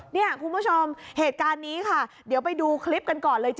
เนี่ยคุณผู้ชมเหตุการณ์นี้ค่ะเดี๋ยวไปดูคลิปกันก่อนเลย